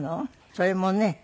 それもね。